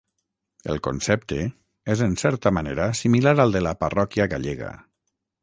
El concepte és en certa manera similar al de la parròquia gallega.